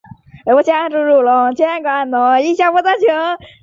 这也是日本知名时尚购物中心三井于东南亚区域的第一座名牌城。